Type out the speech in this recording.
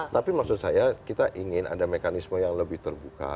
tapi maksud saya kita ingin ada mekanisme yang lebih terbuka